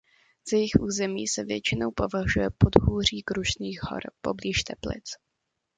Za jejich území se většinou považuje podhůří Krušných hor poblíž Teplic.